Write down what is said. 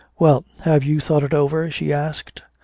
"Well? Have you thought it over?" she asked.